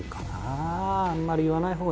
あんまり言わないほうがいいのかな？